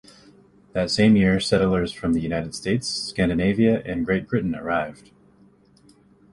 That same year settlers from the United States, Scandinavia and Great Britain arrived.